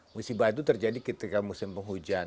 musibah itu terjadi ketika musim penghujan